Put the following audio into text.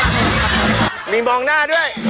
มองหน้าเหมือนวิดภาษิอื่นแหร่นึง